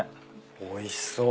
おいしそう。